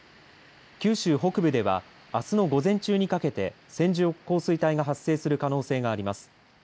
九州北部ではあすの午前中にかけて線状降水帯が発生する可能性があります。